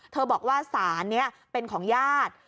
เธอบอกว่าศาลเนี่ยเป็นของญาติ